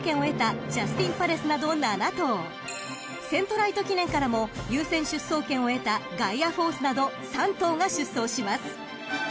［セントライト記念からも優先出走権を得たガイアフォースなど３頭が出走します］